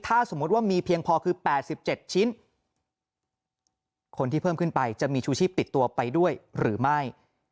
ถ้าสมมุติว่ามีเพียงพอคือ๘๗ชิ้นคนที่เพิ่มขึ้นไปจะมีชูชีพติดตัวไปด้วยหรือไม่